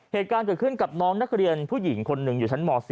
เหตุการณ์เกิดขึ้นกับน้องนักเรียนผู้หญิงคนหนึ่งอยู่ชั้นม๔